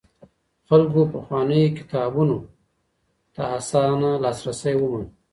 خلکو پخوانيو کتابونو ته اسانه لاسرسی وموند.